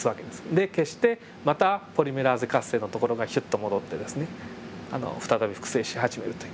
で消してまたポリメラーゼ活性のところがヒュッと戻ってですねあの再び複製し始めるという。